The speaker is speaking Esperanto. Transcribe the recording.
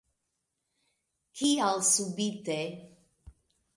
Kial subite.